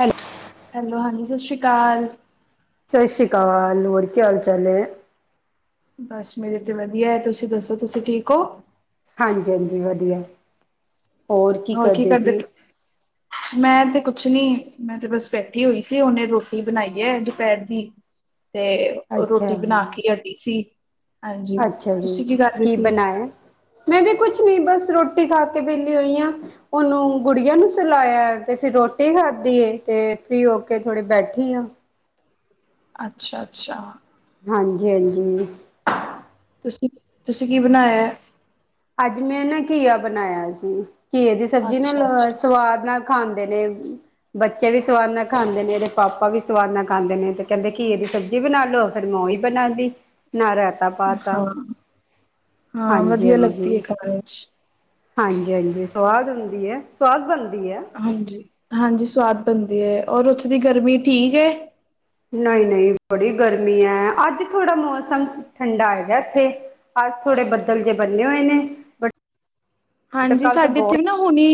ਹਾਂਜੀ ਹੈਲੋ ਹਾਂਜੀ ਸਤਿ ਸ਼੍ਰੀ ਅਕਾਲ ਸਤਿ ਸ਼੍ਰੀ ਅਕਾਲ, ਹੋਰ ਕੀ ਹਾਲ ਚਾਲ ਏ। ਬਸ ਮੇਰੇ ਤੇ ਵਧੀਆ ਹੈ, ਤੁਸੀਂ ਦੱਸੋ ਤੁਸੀਂ ਠੀਕ ਹੋ। ਹਾਂਜੀ ਹਾਂਜੀ ਵਧੀਆ ਹੋ ਕੀ ਕਰਦੇ ਮੈਂ ਤੇ ਕੁਛ ਨੀ, ਮੈਂ ਤੇ ਬਸ ਬੈਠੀ ਹੋਈ ਸੀ, ਹੁਣੇ ਰੋਟੀ ਬਣਾਈ ਹੈ ਦੁਪਹਿਰ ਦੀ ਤੇ ਔ ਅੱਛਾ ਰੋਟੀ ਬਣਾ ਕੇ ਹੀ ਹਟੀ ਸੀ ਹਾਂਜੀ ਅੱਛਾ ਜੀ, ਤੁਸੀਂ ਕਰ ਰਹੇ ਕੀ ਸੀ ਬਣਾਇਆ। ਦੀਦੀ, ਕੁਛ ਨੀ ਬਸ ਰੋਟੀ ਖਾ ਕੇ ਵਿਹਲੀ ਹੋਈ ਹਾਂ। ਉਹਨੂੰ ਗੁੜੀਆਂ ਨੂੰ ਸੁਲਾਇਆ, ਤੇ ਫਿਰ ਰੋਟੀ ਖਾਧੀ ਏ, ਤੇ ਫਰੀ ਹੋ ਕੇ ਥੋੜੇ ਬੈਠੀ ਆ ਅੱਛਾ ਅੱਛਾ। ਹਾਂਜੀ, ਹਾਂਜੀ। ਤੁਸੀਂ ਤੁਸੀਂ ਕੀ ਬਣਾਇਆ ਹੈ। ਅੱਜ ਮੈਂ ਨਾ ਘੀਆ ਬਣਾਇਆ ਸੀ ਘੀਏ ਦੀ ਸਬਜ਼ੀ ਨਾ ਅੱਛਾ ਅੱਛਾ ਸਵਾਦ ਨਾਲ। ਖਾਂਦੇ, ਨੇ। ਬੱਚੇ ਵੀ ਸਵਾਦ ਨਾਲ ਖਾਂਦੇ ਨੇ ਇਹਦੇ ਪਾਪਾ ਵੀ ਸਵਾਦ ਨਾ ਖਾਂਦੇ ਨੇ ਤੇ ਕਹਿੰਦੇ ਨੇ ਘਿਆ ਦਿ ਸਬ। ਜੀ ਬਣਾ ਲਓ ਫਿਰ ਮੂੰ ਓਏ ਬਣਾਦੀ ਨਾਲ਼ ਰਾਇਤਾ। ਪਾ ਤਾ ਹਾਂ ਹਾਂ ਹਾਂਜੀ ਵਧੀਆ ਲੱਗਦੀ ਹੈ ਹਾਂਜੀ ਖਾਣ ਵਿੱਚ। ਹਾਂਜੀ, ਹਾਂਜੀ ਸਵਾਦ ਹੁੰਦੀ ਹੈ। ਸਵਾਦ ਬਣਦੀ ਹੈ। ਹਾਂਜੀ ਹਾਂਜੀ ਸਵਾਦ ਬਣਦੀ ਹੈ ਔਰ ਉੱਥੇ ਦੀ ਗਰਮੀ ਠੀਕ ਏ। ਨਹੀਂ ਨਹੀਂ ਬੜੀ ਗਰਮੀ ਹੈ, ਅੱਜ ਥੋੜ੍ਹਾ ਮੌਸਮ ਠੰਡਾ ਹੈਗਾ ਇੱਥੇ। ਅੱਜ, ਥੋੜੇ ਬੱਦਲ ਜਿਹੇ ਬੰਨੇ, ਹੋਏ ਨੇ ਬਟ। ਹਾਂਜੀ ਕੱਲ ਤਾਂ ਸਾਡੇ ਇਥੇ ਬਹੁਤ ਵੀ ਨਾ ਹੁਣੀ।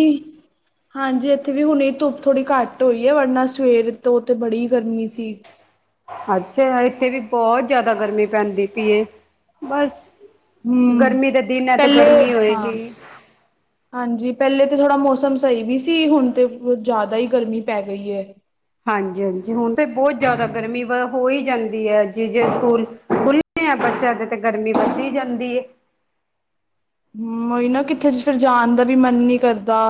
ਹਾਂਜੀ ਇੱਥੇ ਵੀ ਹੁਣ ਧੁੱਪ ਥੋੜ੍ਹੀ ਘੱਟ ਹੋਈ ਹੈ, ਵਰਨਾ ਸਵੇਰ ਤੋਂ ਬੜੀ ਗਰਮੀ ਸੀ। ਅੱਛਾ ਇੱਥੇ ਵੀ ਬਹੁਤ ਜ਼ਿਆਦਾ ਗਰਮੀ ਪੈਂਦੀ ਪਈਏ ਬਸ। ਹਮ ਗਰਮੀ ਦਾ ਦਿਨ ਹੈ, ਤੇ ਪਹਿਲੇ ਗਰਮੀ ਹਾਂ ਹੋਏਗੀ। ਹਾਂਜੀ, ਪਹਿਲੇ ਤਾਂ ਥੋੜ੍ਹਾ ਮੌਸਮ ਸਹੀ ਵੀ ਸੀ ਹੁਣ ਤੇ ਜ਼ਿਆਦਾ ਹੀ ਗਰਮੀ ਪੈ ਗਈ ਹੈ। ਹਾਂਜੀ ਹਾਂਜੀ ਹੁਣ ਤੇ ਬਹੁਤ ਜ਼ਿਆਦਾ ਗਰਮੀ ਹੋ। ਹੀ ਜਾਂਦੀ ਹੈ ਜੀ ਜੇ ਬਹੁਤ ਸਕੂਲ। ਖੁਲ ਤੇ ਆ ਬੱਚਿਆਂ ਦੇ ਤੇ ਗਰਮੀ ਵੱਧੀ ਜਾਂਦੀ ਹੈ। ਹੂ ਉਹੀ ਨਾ ਕਿੱਥੇ ਫਿਰ ਜਾਣ ਦਾ, ਵੀ ਮਨ ਨੀ ਕਰਦਾ।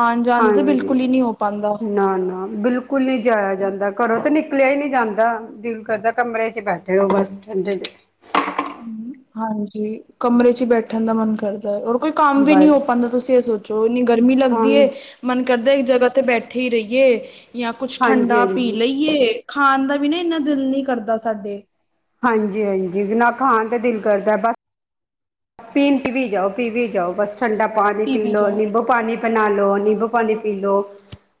ਆਉਣ ਜਾਣ ਤਾਂ ਬਿਲਕੁਲ ਹੀ ਨਹੀ ਹੋ ਪਾਉਂਦਾ। ਨਾ, ਨਾ। ਬਿਲਕੁਲ ਨਹੀ ਜਾਇਆ ਜਾਂਦਾ ਘਰੋਂ ਤਾਂ ਨਿਕਲਿਆ ਹੀ ਨਹੀਂ ਜਾਂਦਾ ਦਿਲ ਕਰਦਾ ਕਮਰੇ ਚ ਬੇਹਟੇ। ਚਲੋ, ਬਸ। ਹ ਹਾਂਜੀ ਕਮਰੇ ਚ ਹੀ ਬੈਠਣ ਦਾ ਮਨ ਕਰਦਾ। ਹੋਰ ਕੋਈ ਕੰਮ ਵੀ ਨੀ ਬਸ ਹੋ ਪਾਉਂਦਾ ਤੁਸੀਂ ਇਹ ਸੋਚੋ ਇੰਨੀ ਗਰਮੀ ਹਾਂ ਲੱਗਦੀ ਏ। ਮਨ ਕਰਦਾ ਇੱਕ ਜਗ੍ਹਾ ਤੇ ਬਹਿਠੇ ਰਹੀਏ ਜਾਂ ਕੁਛ ਠੰਡਾ ਪੀ ਹਾਂਜੀ-ਹਾਂਜੀ। ਲਈਏ। ਖਾਣ ਦਾ ਵੀ ਨਾ ਦਿਲ ਨਹੀਂ ਕਰਦਾ ਸਾਡੇ। ਹਾਂਜੀ ਹਾਂਜੀ, ਨਾ ਖਾਣ ਦਾ ਦਿਲ ਕਰਦਾ ਬਸ। ਬਸ ਸਾਬੀਲ ਪੀ ਵੀ ਜਾਓ ਪੀ ਵੀ ਜਾਓ ਬਸ ਠੰਡਾ ਪਾਣੀ ਪੀ ਵੀ ਲੋ ਜਾਓ ਨਿੰਬੂ। ਪਾਣੀ ਬਣਾਲੋ ਨਿੰਬੂ ਪਾਣੀ ਪੀ ਲਓ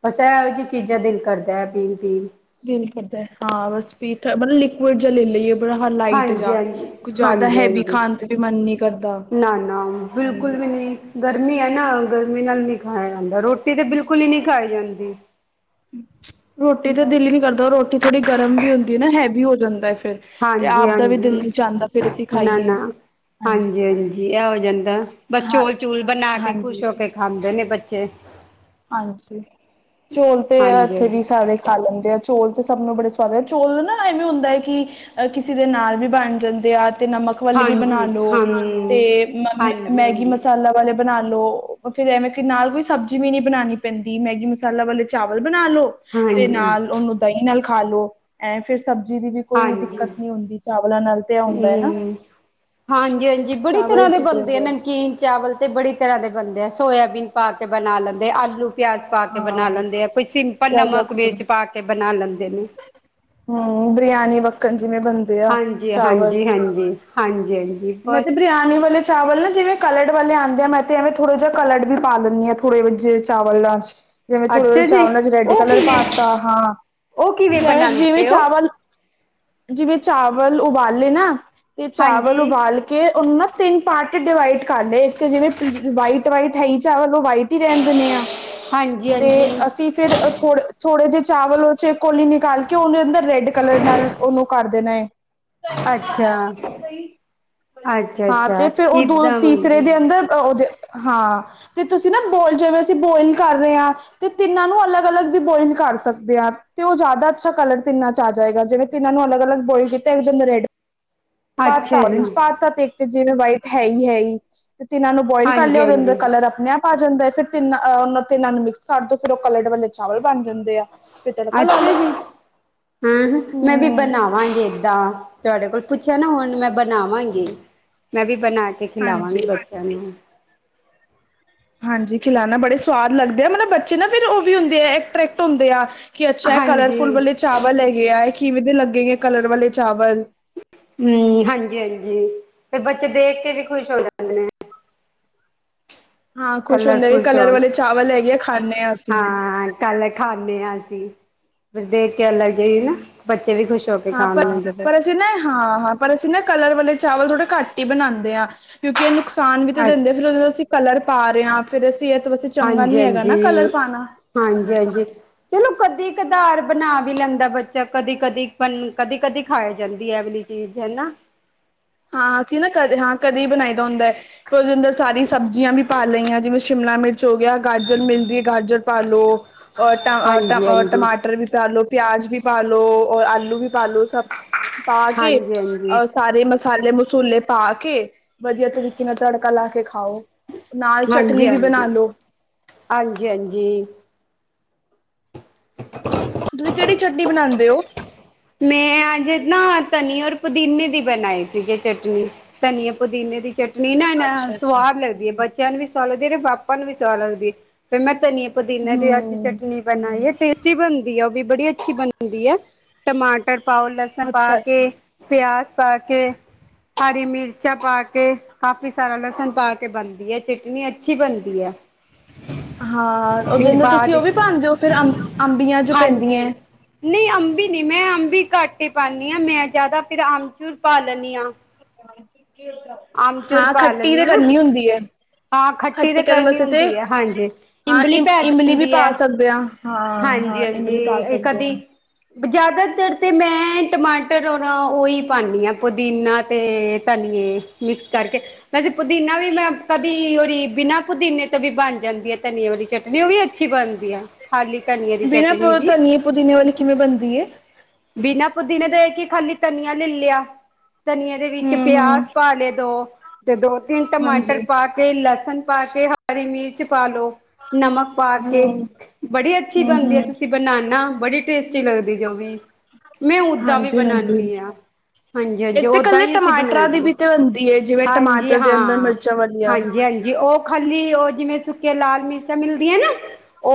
ਬਸ ਇਹੋ ਜਿਹੀਆਂ ਚੀਜ਼ਾਂ ਦਿਲ ਕਰਦਾ ਹੈ ਪੀਣ ਪੀਣ। ਦਿਲ ਕਰਦਾ ਹਾਂ, ਬਸ ਪੀ ਲਈ ਲਿਕਵਿਡ ਜਾ ਲੈ ਲਈਏ। ਬਥੋੜਾ ਲਾਈਟ ਹਾਂਜੀ ਜਾ ਹਾਂਜੀ ਕੁਝ ਜ਼ਿਆਦਾ ਹਾਂਜੀ ਹੈਵੀ ਹਾਂਜੀ ਖਾਣ ਤੇ ਵੀ ਮਨ ਨੀ ਕਰਦਾ। ਨਾ ਨਾ ਬਿਲਕੁਲ ਹਾਂਜੀ ਵੀ ਨਹੀਂ। ਗਰਮੀ ਹੈ ਨਾ, ਗਰਮੀ ਨਾਲ ਨਹੀਂ ਖਾਇਆ ਜਾਂਦਾ ਰੋਟੀ ਤਾਂ ਬਿਲਕੁਲ ਹੀ, ਨਹੀਂ ਖਾਈ ਜਾਂਦੀ। ਰੋਟੀ ਤਾਂ ਦਿਲ ਹੀ ਨੀ ਕਰਦਾ ਰੋਟੀ ਥੋੜੀ ਗਰਮ ਵੀ ਹੁੰਦੀ ਹੈ ਨਾ ਹੈਵੀ ਹੋ ਜਾਂਦੀ ਫਿਰ। ਤੇ, ਹਾਂਜੀ ਆਪ ਦਾ ਵੀ ਹਾਂਜੀ ਦਿਲ ਚ ਆਦਾ ਫਿਰ ਅਸੀਂ ਨਾ ਖਾਈਏ। ਨਾ ਹਾਂਜੀ ਹਾਂਜੀ, ਇਹ ਹੋ ਜਾਂਦਾ ਬਸ ਹਾਂ, ਚੋਲ ਚੂਲ ਬਣਾ ਕੇ ਖੁਸ਼ ਹਾਂਜੀ, ਹੋ ਕੇ। ਖਾਂਦੇ ਨੇ ਬੱਚੇ। ਹਾਂਜੀ ਚੋਲ ਤੇ ਹਾਂਜੀ ਇੱਥੇ ਵੀ ਸਾਰੇ। ਖਾ ਲੈਂਦੇ ਆ ਚੋਲ ਤੇ ਸਭ ਨੂੰ ਬੜੇ ਸਵਾਦ ਆ ਚੋਲ ਨਾ ਐਵੇਂ ਹੁੰਦਾ ਹੈ, ਕਿ। ਅਹ ਕਿਸੇ ਦੇ ਨਾਲ ਵੀ ਬਣ ਜਾਂਦੇ ਆ ਤੇ ਨਮਕ। ਵਾਲੇ ਵੀ ਬਣਾ ਹਾਂਜੀ ਹਾਂਜੀ ਲੋ ਹਾਂ ਤੇ ਹਾਂਜੀ ਮੈਗੀ ਹਾਂਜੀ ਮਸਾਲਾ ਵਾਲੇ। ਬਣਾ ਲੋ ਫੇਰ ਐਵੇਂ ਨਾਲ ਕੋਈ ਸਬਜ਼ੀ ਵੀ ਨੀ। ਬਣਾਉਣੀ ਪੈਂਦੀ ਮੈਗੀ ਮਸਾਲਾ ਵਾਲੇ ਚਾਵਲ ਬਣਾ ਲਓ ਤੇ ਹਾਂਜੀ, ਨਾਲ ਉਹਨੂੰ। ਦਹੀਂ ਨਾਲ ਖਾ ਲੋ ਐ, ਫਿਰ ਸਬਜ਼ੀ ਦੀ ਵੀ। ਕੋਈ ਹਾਂਜੀ ਦਿੱਕਤ ਹੂੰ। ਨਹੀਂ ਹੁੰਦੀ ਚਾਵਲਾਂ ਨਾਲ ਤੇ ਇਹ ਹੁੰਦਾ ਨਾ। ਹਾਂਜੀ, ਹਾਂਜੀ ਬੜੀ ਤਰ੍ਹਾਂ ਚਾਵਲ ਦੇ ਠੀਕ ਬਣਦੇ ਆ ਰਹਿੰਦੇ ਨਮਕੀਨ, ਚਾਵਲ। ਤੇ ਬੜੀ ਤਰ੍ਹਾਂ ਦੇ ਬਣਦੇ ਆ ਸੋਇਆਬੀਨ ਪਾ ਕੇ ਬਣਾ ਲੈਂਦੇ ਆਲੂ। ਪਿਆਜ ਪਾ ਕੇ ਬਣਾ ਹਾਂ। ਲੈਂਦੇ ਆ। ਕੋਈ ਸਿੰਪਲ ਪਿਆਜ ਦਾ ਨਮਕ ਖੂਰ ਵਿੱਚ ਪਾ ਕੇ ਬਣਾ ਲੈਂਦੇ ਨੇ। ਹਮ ਬਰਿਆਨੀ ਵੱਕਣ ਜਿਵੇਂ ਬੰਨਦੀ ਹਾਂਜੀ- ਹਾਂਜੀ ਹਾਂਜੀ - ਹਾਂਜੀ ਹਾਂ। ਮੈਂ ਤੇ ਬਿਰਆਨੀ ਵਾਲੇ। ਚਾਵਲ ਨਾ ਜਿਵੇਂ ਕਲਰ ਵਾਲੇ ਆਉਂਦੇ ਆ। ਮੈਂ ਤੇ ਐਵੇਂ ਥੋੜਾ ਜਿਹਾ ਕਲਰਡ ਵੀ ਪਾ ਲਦੀ ਹਾਂ। ਥੋੜ੍ਹੇ ਵਿਚ ਚਾਹਲ ਜਿਵੇਂ ਥੋੜ੍ਹੇ ਰਹੇ ਅੱਛਾ ਜੀ ਚਾਵਲ ਚ' ਰੈੱਡ ਉਹ ਕਲਰ ਕਿਵੇਂ ਪਾਤਾ ਹਾਂ। ਉਹ ਕਿਵੇਂ ਜਿਵੇਂ। ਜਿਵੇਂ ਬਣਾਉਂਦੇ ਹੋ? ਚਾਵਲ। ਜਿਵੇਂ ਚਾਵਲ ਉਬਾਲੇ ਨਾ ਤੇ ਹਾਂਜੀ, ਚਾਵਲ ਉ ਕੇ ਉਹ ਨਾ ਤਿੰਨ ਪਾਰਟ ਡਿਵਾਈਡ ਕਰ ਲਏ। ਇੱਕ ਤੇ ਜਿਵੇਂ ਵਟ ਵਾਈਟ ਹੈ ਚਾਵਲ ਉਹ ਵਾਈਟ ਰਹਿਣ ਦਿੰਦੇ ਹਾਂ ਹਾਂਜੀ, ਤੇ ਹਾਂਜੀ ਅਸੀਂ ਫੇਿਰ ਥੋੜ - ਥੋੜੇ ਜਿਹੇ ਚਾਵਲ। ਚੇ ਕੋਲੀ ਨਿਕਾਲ ਕੇ। ਉਹਨੂੰ ਅੰਦਰ ਰੈੱਡ' ਕਲਰ ਨਾਲ ਉਹਨੂੰ ਕਰ ਦੇਣਾ। ਸਹੀ- ਅੱਛਾ, ਸਹੀ ਅੱਛਾ, ਹਾਂ। ਅੱਛਾ ਤੇ ਫਿਰ ਉਹ ਦੋ ਏਦਾਂ ਤੀਸਰੇ ਬਣਦੇ ਦੇ ਆ। ਅੰਦਰ ਉਹਦੇ ਹਾਂ। ਤੇ ਤੁਸੀਂ ਨਾ ਬੋਲ ਜਿਵੇਂ। ਅਸੀਂ ਬੋਇਲ ਕਰ ਰਹੇ ਹਾਂ। ਤੇ ਤਿੰਨਾਂ ਨੂੰ ਅਲੱਗ- ਅਲੱਗ ਵੀ ਬੋਇਲ ਕਰ ਸਕਦੇ ਆ। ਤੇ ਉਹ ਜ਼ਿਆਦਾ ਅੱਛਾ ਕਲਰ ਤਿੰਨਾਂ ਚ ਆ ਜਾਏਗਾ ਜਿਵੇਂ। ਤ ਇਹਨਾਂ ਨੂੰ ਅਲਗ- ਅਲਗ ਬੋਲ ਕਿਤਾ ਇੱਕਮ ਰੈਡ ਪਾਤਾ ਅੱਛਾ ਜੀ, ਓਰਂਜ ਪਾਤਾ। ਦੇਖਦੇ ਜਿਵੇਂ ਵਾਈਟ ਹੈ ਹੀ - ਹੈ ਹੀ। ਤੇ ਇਹਨਾਂ ਨੂੰ ਬੋਇਲ ਕਰ ਹਾਂਜੀ, ਲਿਆ। ਉਹਦੇ ਅੰਦਰ ਹਾਂਜੀ ਕਲਰ ਆਪਣੇ ਆਪ ਪਾ ਜਾਂਦਾ ਫਿਰ ਤਿੰਨਾਂ ਉਹ ਤਿੰਨਾਂ ਨੂੰ, ਮਿਕਸ ਕਰ ਦਿੰਦੇ। ਫਿਰ ਉਹ ਕਲਰ ਵਾਲੇ ਚਾਵਲ ਬਣ ਜਾਂਦੇ ਆ। ਫਿਰ ਤੜਕਾ ਲਾ ਅੱਛਾ ਲੋ ਜੀ। ਹਾਂ ਮੈਂ ਵੀ ਬਣਾਵਾਂਗੀ। ਦਾਂ ਤੁਹਾਡੇ ਕੋਲ ਪੁੱਛਿਆ ਨਾ। ਹੁਣ ਮੈਂ ਬਣਾਵਾਂਗੀ ਮੈਂ ਵੀ ਬਣਾ ਕੇ ਖਿਲਾਵਾਂਗੀ। ਹਾਂਜੀ ਬੱਚੇ ਚਨੂੰ [inaudible] ਹਾਂਜੀ ਖਿਲਾਨਣਾ ਬੜੇ ਸਵਾਦ ਲੱਗਦੇ ਆ ਵ ਮਤਲਬ ਬੱਚੇ ਨਾ ਫ਼ਿਰ ਉਹ ਵੀ ਹੁੰਦੇ ਆ। ਅਟਰੈਕਟ' ਹੁੰਦੇ ਆ। ਕੀ ਅੱਛਾ ਹੈ। ਹਾਂਜੀ ਕਲਰਫੁੱਲ ਵਾਲੇ ਚਾਵਲ ਹੈਗੇ ਆ ਹੈ। ਕਿਵੇਂ ਦੇ ਲੱਗੇ? ਗੇ ਕਲਰ ਵਾਲੇ ਚਾਵਲ। ਹਮ ਹਾਂਜੀ - ਹਾਂਜੀ ਫਿਰ ਬੱਚੇ ਦੇਖ ਕੇ ਵੀ ਖੁਸ਼ ਹੋ ਜਾਂਦੇ ਨੇ। ਹਾਂ ਖੁਸ਼ ਹੁੰਦਾ ਕਲਰਫੁਲ ਕਲਰ ਚੌਲ ਵਾਲੇ ਚਾਵਲ ਹੈਗੇ ਆ ਖਾਂਦੇ ਹਾਂ। ਅਸੀਂ ਹਾਂ ਕੱਲ ਖਾਂਦੇ ਹਾਂ। ਅਸੀਂ ਫਿਰ ਦੇਖ ਕੇ ਅਲੱਗ ਜਿਹੇ ਨਾ ਬੱਚੇ ਵੀ ਖੁਸ਼ ਹੋ ਕੇ ਹਾਂ ਪ। ਖਾਣ ਲੈਂਦੇ ਫਿਰ ਪਰ ਅਸੀਂ ਨਾ ਹਾਂ - ਹਾਂ ਪਰ ਅਸੀਂ ਨਾ ਕਲਰ ਵਾਲੇ ਚਾਵਲ ਥੋੜ੍ਹੇ ਘੱਟ ਹੀ ਬਣਾਉਂਦੇ ਹਾਂ। ਕਿਉਂਕਿ ਇਹ ਨੁਕਸਾਨ ਵੀ ਤੇ ਦਿੰਦੇ। ਫਿਰ ਉਹਦੇ ਅਸੀਂ ਕਰ ਪਾ ਰਹੇ ਹਾਂ। ਫ਼ਿਰ ਅਸੀਂ ਇਹ ਚੰਗਾ ਹਾਂਜੀ ਨਹੀਂ ਹੈਗਾ ਨਾ ਹਾਂਜੀ ਕਲਰ ਪਾਉਣਾ। ਹਾਂਜੀ - ਹਾਂਜੀ। ਚਲੋ ਕਦੀ ਕਧਾਰ ਬਣਾ ਵੀ ਲੈਂਦਾ ਬੱਚਾ ਕਦੀ- ਕਦੀ - ਕਦੀ। ਕਦੀ ਖਾ ਜਾਂਦੀ ਹੈ ਵਾਲੀ। ਚੀਜ਼ ਹੈ ਨਾ। ਹਾਂ ਅਸੀਂ ਨਾ। ਕਦੇ ਹਾਂ ਕਦੇ ਬਣਾਈ ਦਾ ਹੁੰਦਾ ਹੈ। ਉਹਦੇ ਅੰਦਰ ਸਾਰੀ ਸਬਜ਼ੀਆਂ ਵੀ। ਪਾ ਲਈ ਹਾਂ ਜਿਵੇਂ ਸ਼ਿਮਲਾ ਮਿਰਚ ਹੋ। ਗਿਆ ਗਾਜਰ ਮਿਲਦੀ ਹੈ। ਗਾਜਰ ਪਾਾਲ ਲੋ ਔਰ ਹਾਂਜੀ ਹਾਂਜੀ ਟਮਾਟਰ ਵੀ ਪਾਾਲ ਲੋ ਪਿਆਜ ਵੀ ਪਾਾਲ ਲੋ ਔਰ ਆਲੂ ਵੀ ਪਾ ਲੋ ਸਭ। ਪਾ ਕੇ। ਹਾਂਜੀ ਹਾਂਜੀ ਅਹ ਸਾਰੇ ਮਸਲੇ। ਮਸਾਲੇ - ਮਸੂਲੇ ਪਾ ਕੇ ਵਧੀਆ ਤਰੀਕੇ ਨਾਲ ਤੜਕਾ ਲਾ ਕੇ ਖਾਓ। ਨਾਲ ਚਟਨੀ ਹਾਂਜੀ ਵੀ ਬਣਾ ਹਾਂਜੀ ਲੋ। ਹਾਂਜੀ - ਹਾਂਜੀ। ਹ। ਤੁਸੀਂ ਕਿਹੜੀ ਚਟਨੀ ਬਣਾਉਂਦੇ ਹੋ। ਮੈਂ ਅਜੇ ਨਾ ਧਨੀ ਔਰ ਪੁਦੀਨੇ ਦੀ ਬਣਾਈ ਸੀ। ਜੇ ਚਟਨੀ ਧਨੀਆ, ਪੁਦੀਨੇ ਦੀ ਚੱਟਨੀ। ਨਹੀਂ ਨਾਨਾ ਅੱਛਾ ਅੱਛਾ ਸਵਾਦ ਲੱਗਦੀ ਹੈ। ਬੱਚਿਆਂ ਨੂੰ ਵੀ ਸਵਾਦ ਲੱਗਦੀ ਹੈ ਪਾਪਾ ਨੂੰ ਵੀ ਸਵਾਦ ਲੱਗਦੀ ਹੈ। ਫਿਰ ਮੈਂ ਧਨੀ ਪੁਦੀਨਾੇ ਦੀ ਅੱਜ ਹਮ ਚਟਨੀ ਬਣਾਈ ਹੈ। ਟੇਸਟੀ ਬਣਦੀ ਆ ਉਹ ਵੀ ਬੜੀ ਅੱਛੀ ਬਣਦੀ ਆ। ਟਮਾਟਰ ਪਾਓ ਲਸਣ ਪਾ ਅੱਛਾ ਕੇ। ਅੱਛਾ ਪਿਆਜ਼ ਪਾ ਕੇ। ਹਰੀ ਮਿਰਚਾਂ ਪਾ ਕੇ। ਕਾਫ਼ੀ ਸਾਰਾ ਲਸਣ ਪਾ ਕੇ ਬਣਦੀ ਹੈ। ਚਟਨੀ ਅੱਛੀ ਬਣਦੀ ਹੈ। ਹਾਂ ਉਹਦੇ ਫਿਰ ਨਾਲ ਬਾਅਦ ਤੁਸੀਂ ਉਹ ਵੀ ਵਿੱਚ ਪਾਦੇ ਹੋ। ਫਿਰ ਅੰ ਅੰਬੀਆਂ ਚ ਹਾਂਜੀ ਪੈਂਦੀਆਂ। ਨਹੀਂ ਅੰਬੀ ਨਹੀਂ, ਮੈਂ ਅੰਬੀ ਕੱਟ ਕੇ ਹੀ ਪਾਉਦੀ ਹਾਂ। ਮੈਂ ਜ਼ਿਆਦਾ ਫਿਰ ਅੰਮਚੂਰ ਪਾ ਲੈਂਦੀ ਹਾਂ। ਹਾਂ ਖੱਟੀ ਲੈਨੀ ਆ ਤੇ ਨਾ ਕਰਨੀ ਹੁੰਦੀ ਹੈ। ਹਾਂ ਖੱਟੀ ਤੇ ਕਰਨ ਕਰਨੀ ਵਾਸਤੇ ਤੇ ਹੁੰਦੀ ਹੈ ਹਾਂਜੀ ਹਾਂ ਇਮਲੀ ਇਮ ਪੈ ਇਮਲੀ ਵੀ ਜਾਂਦੀ ਹੈ। ਪਾ ਸਕਦੇ ਹਾਂ ਹਾਂ ਹਾਂਜੀ ਹਾਂ ਹਾਂਜੀ ਇਮਲੀ ਪਾ ਇਹ ਸਕਦੇ ਕਦੀ। ਹਾਂ ਜ਼ਿਆਦਾਤਰ ਤੇ ਮੈਂ ਟਮਾਟਰ ਔਰ ਉਹੀ ਪਾਉਦੀ ਹਾਂ ਪੁਦੀਨਾ ਤੇ ਧਨੀਏ। ਮਿਕਸ ਕਰਕੇ ਵੈਸੇ ਪੁਦੀਨਾ ਵੀ ਮੈਂ ਕਦੀ ਉਹਰੀ ਬਿਨਾਂ। ਪੁਦੀਨੇ ਤੋਂ ਵੀ ਬਣ ਜਾਂਦੀ ਹੈ ਧਨੀਏ ਵਾਲੀ ਚਟਨੀ ਉਹ ਵੀ ਅੱਛੀ ਬਣਦੀ ਆ। ਖਾਲੀ ਧਨੀਏ ਦੀ ਬਿਨਾਂ ਪੁ ਚਟਨੀ ਵੀ ਧਨੀਏ ਪੁਦੀਨੇ ਵਾਲੀ ਕਿਵੇਂ ਬਣਦੀ ਹੈ? ਬਿਨਾ ਪੁਦੀਨੇ ਦੇ ਕੇ ਖਾਲੀ ਧਨੀਆ ਲੈ ਲਿਆ। ਧਨੀਏ ਦੇ ਵਿੱਚ ਹਮ ਹਮ ਪਿਆਜ਼ ਪਾ ਲਏ ਦੋ ਤੇ ਦੋ ਤਿੰਨ ਟਮਾਟਰ ਹਾਂਜੀ ਪਾ। ਤੇ ਲਸਣ ਪਾ ਕੇ ਹਰੀ ਮਿਰਚ ਪਾ ਲੋ ਨਮਕ। ਪਾ ਹਾਂ। ਕੇ ਬੜੀ ਅੱਛੀ ਬਣਦੀ ਆ ਤੁਸੀਂ ਬਣਾਨਾ ਬੜੀ ਟੇਸਟੀ ਲੱਗਦੀ ਉਹ ਵੀ। ਮੈਂ ਓਦਾਂ ਵੀ ਹਾਂਜੀ ਹਾਂਜੀ ਬਣਾਉਦੀ ਹਾਂ। ਹਾਂਜੀ, ਹਾਂਜੀ ਇੱਕ ਤੇ ਉਹ ਤਾਂ ਇਕੱਲੇ ਹੀ ਅਸੀਂ ਟਮਾਟਰਾਂ ਦੀ ਬਣਾਈਦਾ ਵੀ ਤੇ ਬਣਦੀ ਹੈ ਜਿਵੇਂ ਹਾਂਜੀ ਟਮਾਟਰ ਦੇ ਅੰਦਰ ਹਾਂ। ਮਿਰਚਾਂ ਵਾਲੀਆਂ ਹਾਂਜੀ ਹਾਂਜੀ ਉਹ ਖਾਲੀ ਉਹ ਜਿਵੇਂ ਸੁੱਕੇ ਲਾਲ ਮਿਰਚਾਂ ਮਿਲਦੀਆਂ ਨਾ।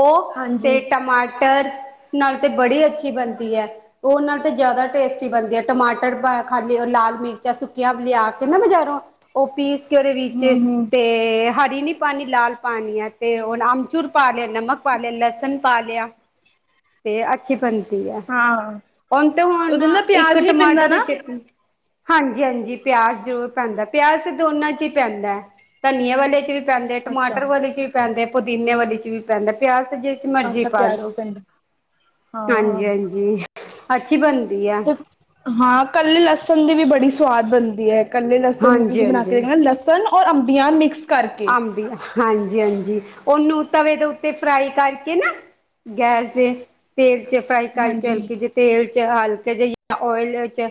ਉਹ ਹਾਂਜੀ ਤੇ ਟਮਾਟਰ ਨਾਲ ਤੇ ਬੜੀ ਅੱਛੀ ਬਣਦੀ ਹੈ। ਉਹ ਨਾਲ ਤੇ ਜ਼ਿਆਦਾ ਟੇਸਟੀ ਬਣਦੀ ਆ ਟਮਾਟਰ ਖਾਲੀ ਲਾਲ ਮਿਰਚਾਂ ਸੁੱਕੀਆਂ ਲਿਆ ਕੇ ਨਾ ਬਜ਼ਾਰੋਂ। ਉਹ ਪੀਸ ਕੇ ਉਹਦੇ ਵਿੱਚ ਹਮ ਹਮ ਤੇ। ਹਰੀ ਨਹੀਂ ਪਾਣੀ ਲਾਲ ਪਾਣੀ ਹੈ ਤੇ ਅਮਚੂੂਰ ਪਾ ਲਿਆ ਨਮਕ ਪਾ ਲਿਆ ਲਸਣ। ਪਾ ਲਿਆ। ਤੇ ਅੱਛੀ ਬਣਦੀ ਹੈ। ਹਾਂ ਉਹਨੇ ਤੇ ਹੁਣ ਉਹਦੇ ਨਾ ਇੱਕ ਪਿਆਜ ਨੀ ਟਮਾਟਰ ਪੈਂਦਾ ਦੀ ਨਾ ਚਟਨੀ। ਹਾਂਜੀ ਹਾਂਜੀ ਪਿਆਜ਼ ਜ਼ਰੂਰ ਪੈਂਦਾ ਪਿਆਜ਼ ਤੇ ਦੋਨਾਂ ਚ ਹੀ ਪੈਂਦਾ ਹੈ ਧਨੀਆ ਵਾਲੇ ਚ ਵੀ। ਪੈਂਦੇ ਅੱਛਾ ਟਮਾਟਰ ਵਾਲੀ ਚ ਵੀ ਪੈਂਦੇ ਪੁਦੀਨੇ ਵਾਲੀ ਚ ਵੀ ਪੈਂਦਾ ਪਿਆਜ ਤੇ ਜਿਸ ਚ ਮਰਜ਼ੀ ਅੱਛਾ ਪਾ ਪਿਆਜ ਲਉ। ਪੈਂਦਾ ਹਾਂ ਹਾਂਜੀ, ਹਾਂਜੀ ਅੱਛੀ ਬਣਦੀ ਆ। ਹਾਂ ਕੱਲੇ ਲਸਣ ਦੀ ਵੀ ਬੜੀ ਸਵਾਦ ਬਣਦੀ ਹੈ ਕੱਲੇ ਲਸਣ ਦੀ ਤੁਸੀਂ ਹਾਂਜੀ ਬਣਾ ਕੇ ਹਾਂਜੀ ਦੇਖਣਾ ਲਸਣ। ਔਰ ਅੰਬੀਆਂ ਮਿਕਸ। ਕਰਕੇ ਅੰਬੀਆਂ। ਹਾਂਜੀ, ਹਾਂਜੀ ਉਹਨੂੰ ਤਵੇ ਦੇ ਉੱਤੇ ਫਰਾਈ ਕਰਕੇ ਨਾ ਗੈਸ ਤੇ। ਤੇਲ ਚ' ਫਰਾਈ ਕਰਕੇ ਹਾਂਜੀ ਹਲਕੀ ਜ ਤੇਲ ਚ' ਹਲਕੇ ਜਿਹੀ ਓਇਲ ਵਿੱਚ।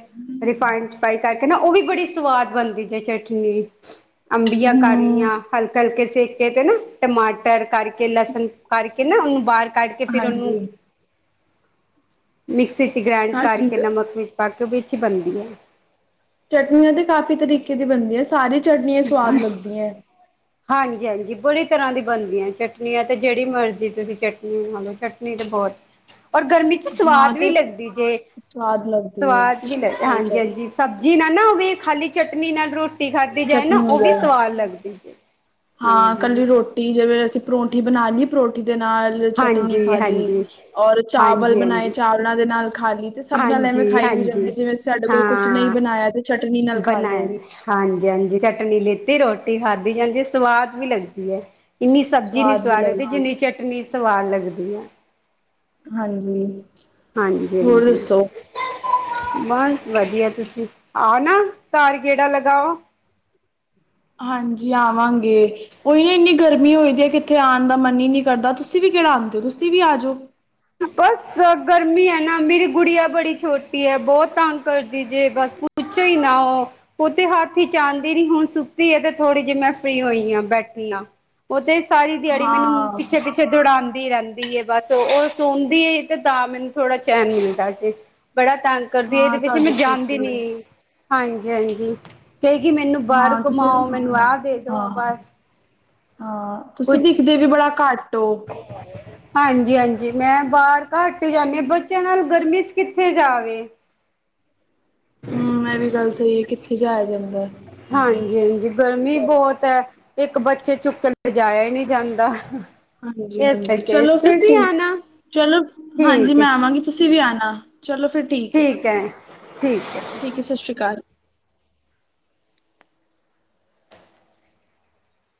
ਰਿਫਾਈਡ ਚ ਫਾਈ ਕਰਕੇ ਨਾ ਉਹ ਵੀ ਬੜੀ ਸਵਾਦ ਬਣਦੀ ਜੇ ਚਟਨੀ। ਅੰਬੀਆਂ ਕਰ ਹਮ ਲਈਆਂ। ਹਲਕੇ -ਹਲਕੇ ਸੇਕੇ ਤੇ ਨਾ, ਟਮਾਟਰ ਕਰਕੇ, ਲਸਣ ਕਰਕੇ ਨਾ ਉਹਨੂੰ ਬਾਹਰ। ਕੱਢ ਕੇ ਫਿਰ ਉਹਨੂੰ। ਹਾਂਜੀ ਮਿਕਸੀ ਚ ਗ੍ਰੈਂਡ ਹਾਂਜੀ ਕਰਕੇ ਨਮਕ ਵਿੱਚ ਪਾ ਕੇ ਉਹ ਵਿਚ ਈ ਬਣਦੀ ਹੈ। ਚਟਨੀਆਂ ਤੇ ਕਾਫ਼ੀ ਤਰੀਕੇ ਦੀ ਬਣਦੀਆਂ ਸਾਰੀ ਚਟਨੀਆਂ ਸਵਾਦ ਲੱਗਦੀਆਂ ਹੈ। ਹਾਂਜੀ ਹਾਂਜੀ ਬੜੀ ਤਰ੍ਹਾਂ ਦੀ ਬਣਦੀਆਂ ਚਟਨੀਆਂ ਤੇ ਜਿਹੜੀ ਮਰਜ਼ੀ ਤੁਸੀਂ ਚਟਨੀ ਲਓ ਚਟਨੀ ਤਾਂ ਬਹੁਤ। ਔਰ ਗਰਮੀ ਚ ਹਾਂ ਸਵਾਦ ਵੀ ਤੇ ਲੱਗਦੀ ਜੇ ਸਵਾਦ ਲੱਗਦੀ ਹੈ ਸਵਾਦ ਵੀ ਲੱਗ ਸਹੀ ਹਾਂਜੀ, ਕਹਿ ਹਾਂਜੀ। ਸਬਜ਼ੀ ਨਾਲ ਨਾ ਹੋਵੇ ਖਾਲੀ ਚਟਨੀ ਨਾਲ ਰੋਟੀ ਖਾਧੀ ਜਾਏ ਨਾ ਚਟਨੀ ਹੋ ਉਹ ਵੀ ਜਾਏ ਸਵਾਦ ਲੱਗਦੀ ਜੇ। ਹਾਂ ਹਾਂਜੀ ਕੱਲੀ ਰੋਟੀ ਜਿਵੇਂ ਅਸੀਂ ਪਰੌਂਠੀ ਬਣਾ ਲਈਏ ਪਰੌਂਠੀ ਦੇ ਨਾਲ। ਚਟਨੀ ਹਾਂਜੀ ਖਾ ਲਈਏ ਹਾਂਜੀ ਔਰ ਚਾਵਲ ਹਾਂਜੀ ਬਣਾਏ ਹਾਂਜੀ ਚਾਵਲਾਂ ਦੇ ਨਾਲ ਖਾ ਲਈ। ਤੇ ਸਭ ਨਾਲ ਐਵੇਂ ਹਾਂਜੀ ਖਾਈ ਵੀ ਜਾਂਦੀ ਹਾਂਜੀ ਜਿਵੇਂਂ ਸਾਡੇ ਕੋਲ ਕੁਛ ਨਹੀਂ ਹਾਂ ਬਣਾਇਆ ਤੇ ਚਟਨੀ ਨਾਲ ਖਾ ਲਉ। ਬਣਾਏ ਹਾਂਜੀ, ਹਾਂਜੀ ਚਟਨੀ ਲਿਤੀ ਰੋਟੀ ਖਾਧੀ ਜਾਂਦੀ ਸਵਾਦ ਵੀ ਲੱਗਦੀ ਹੈ। ਇੰਨੀ ਸਬਜ਼ੀ ਨਹੀਂ ਵੀ ਸਵਾਦ ਲਗਦੀ ਲੱਗਦੀ ਜਿੰਨੀ ਚਟਨੀ ਸਵਾਦ ਲਗਦੀ ਹੈ। ਹਾਂਜੀ। ਹਾਂਜੀ, ਹੋਰ ਹਾਂਜੀ। ਦੱਸੋ ਬਸ ਵਧੀਆ ਤੁਸੀਂ ਆਓ ਨਾ ਤਾਰ ਗੇੜਾ ਲਗਾਓ। ਹਾਂਜੀ ਆਵਾਂਗੇ। ਉਹੀ ਨਾ ਇੰਨੀ ਗਰਮੀ ਹੋਈ ਦੀ ਹੈ ਕਿੱਥੇ ਆਉਣ ਦਾ ਮਨ ਹੀ ਨਹੀਂ ਕਰਦਾ ਤੁਸੀਂ ਵੀ ਕਿਹੜਾ ਆਉਂਦੇ ਹੋ ਤੁਸੀਂ ਵੀ ਆ ਜਾਓ। ਬਸ ਗਰਮੀ ਹੈ ਨਾ ਮੇਰੀ ਗੁੜੀੀਆਂ ਬੜੀ ਛੋਟੀ ਹੈ। ਬਹੁਤ ਤੰਗ ਕਰਦੀ ਜੇ ਬਸ ਕੁਛ ਹੀ ਨਾਓ ਔਹ ਤੇ ਹੱਥ ਹੀ ਚ ਆਦੀ ਨੀ ਹੁਣ ਸੁੱਕਤੀ ਹੈ ਥੋੜ੍ਹੀ ਜਿਹੀ ਮੈਂ ਫ੍ਰਰੀ ਹੋਈ ਹਾਂ ਬੈਠ ਆ। ਔਹ ਤੇ ਸਾਰੀ ਦਿਹਾੜੀ ਮੈਨੂੰ ਹਾਂ ਪਿੱਛੇ ਪਿੱਛੇ ਦੌੜਾਉਂਦੀ ਰਹਿੰਦੀ ਏ ਬਸ ਔਹ ਔ ਸੌਦੀ ਤੇ ਤਾਂ ਮੈਨੂੰ ਥੋੜਾ ਚੈਨ ਮਿਲਦਾ ਜੇ ਬੜਾ ਤਗ ਕਦੀ ਇਹਦੇ ਹਾਂ ਪਿਛੇ ਮੈਂ ਤੁਹਾਡੀ ਜਾਂਦੀ ਛੋਟੀ ਨੀ ਹੈ ਹਾਂਜੀ- ਹਾਂਜੀ। ਕਏ ਗੀ ਮੈਨੂੰ ਬਾਹਰ ਹਾਂ ਘੁਮਾ ਤੁਸੀਂ ਔ ਮੈਨੂੰ ਹਾਂ ਆਹ ਦੇ ਦੋ ਹਾਂ ਬਸ ਹਾਂ, ਤੁਸੀਂ ਕੁਛ ਦਿਖਦੇ ਵੀ ਬੜਾ ਘੱਟ ਔ। ਹਾਂਜੀ -ਹਾਂਜੀ ਮੈਂ ਬਾਹਰ ਘੱਟ ਹੀ ਜਾਂਦੀ ਆ ਬੱਚਿਆਂ ਨਾਲ ਗਰਮੀ ਚ ਕਿੱਥੇ ਜਾਵੇ। ਹਮ ਇਹ ਵੀ ਗੱਲ ਸਹੀ ਹੈ ਕਿੱਥੇ ਜਾਇਆ ਜਾਂਦਾ ਐ। ਹਾਂਜੀ -ਹਾਂਜੀ ਗਰਮੀ ਬੋਤ ਐ। ਇੱਕ ਬੱਚੇ ਚੁੱਕ ਲਿਜਾਇਆ ਹੀ ਨਹੀਂ ਜਾਂਦਾ। ਹਾਂਜੀ- ਇਸ ਹਾਂਜੀ ਕਰਕੇ ਚਲੋ ਫਿਰ ਤੁਸੀਂ ਠੀਕ ਐ। ਆਣਾ ਚਲੋ ਹਾਂਜੀ ਠੀਕ ਹੈ ਮੈਂ ਆਵਾਂਗੀ, ਤੁਸੀਂ ਵੀ ਆਨਾ ਚਲੋ ਫਿਰ ਠੀਕ ਏ। ਠੀਕ ਹੈ। ਠੀਕ ਸਸ਼੍ਰੀ ਕਾਲ।